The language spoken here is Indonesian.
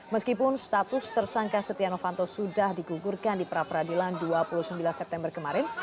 meskipun status tersangka setia novanto sudah digugurkan di pra peradilan dua puluh sembilan september kemarin